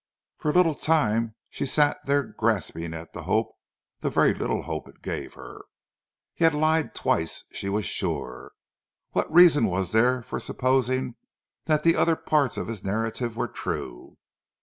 For a little time she sat there grasping at the hope, the very little hope it gave her. He had lied twice, she was sure. What reason was there for supposing that the other parts of his narrative were true?